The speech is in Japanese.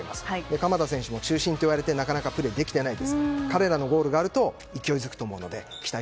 鎌田選手も中心と言われてなかなかプレーできてないですから彼らのゴールがあると勢いづくと思います。